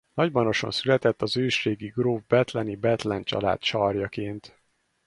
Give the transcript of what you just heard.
Nagymaroson született az ősrégi gróf bethleni Bethlen család sarjaként.